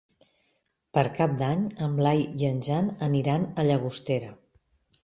Per Cap d'Any en Blai i en Jan aniran a Llagostera.